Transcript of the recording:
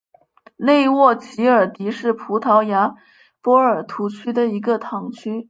内沃吉尔迪是葡萄牙波尔图区的一个堂区。